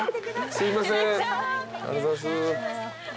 すいません。